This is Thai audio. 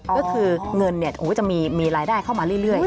ก็คือเงินจะมีรายได้เข้ามาเรื่อย